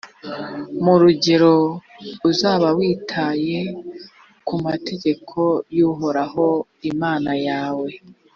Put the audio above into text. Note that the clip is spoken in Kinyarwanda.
mu rugero uzaba witaye ku mategeko y’uhoraho imana yawe,